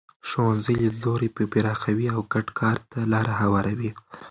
ښوونځي لیدلوري پراخوي او ګډ کار ته لاره هواروي.